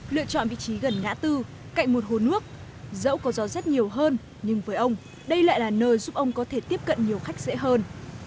lựa chọn vị trí gần ngã tư cạnh một hồ nước dẫu có gió rất nhiều hơn nhưng với ông đây lại là nơi giúp ông có thể tiếp cận nhiều khách dễ hơn